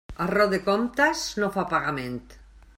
Erro de comptes no fa pagament.